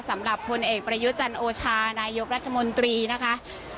สำหรับพลเอกประยุจันโอชานายกรัฐมนตรีนะคะ